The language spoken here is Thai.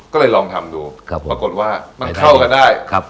ก็เลยลองทำดูครับปรากฏว่ามันเข้ากันได้ครับ